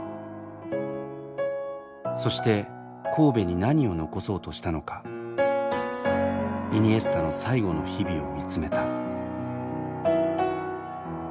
そして神戸に何を残そうとしたのかイニエスタの最後の日々を見つめた。